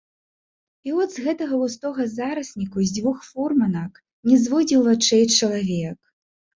І от з гэтага густога зарасніку з дзвюх фурманак не зводзіў вачэй чалавек.